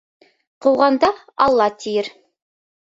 Ҡыуған да «Алла» тиер.